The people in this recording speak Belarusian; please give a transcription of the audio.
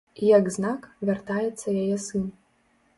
І як знак, вяртаецца яе сын.